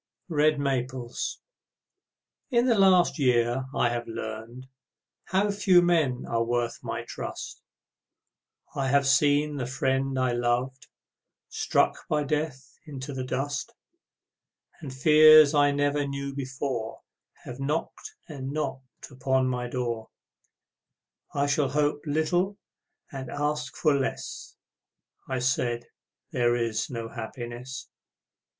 Red Maples In the last year I have learned How few men are worth my trust; I have seen the friend I loved Struck by death into the dust, And fears I never knew before Have knocked and knocked upon my door "I shall hope little and ask for less," I said, "There is no happiness."